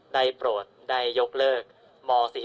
ได้โปรดได้ยกเลิกม๔๔